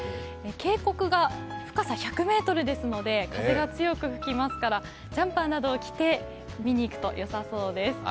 渓谷が深さ１００ｍですので風が強く吹きますから、ジャンパーなどを着て見にいくとよさそうです。